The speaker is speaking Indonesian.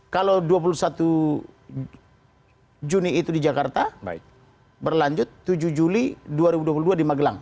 kalau dua puluh satu juni itu di jakarta berlanjut tujuh juli dua ribu dua puluh dua di magelang